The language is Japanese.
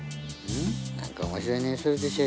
何か面白いにおいするでしょう。